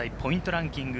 ランキング